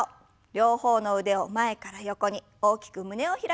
両方の腕を前から横に大きく胸を開きます。